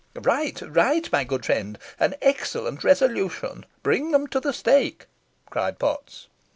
"Right right my good friend an excellent resolution bring them to the stake!" cried Potts.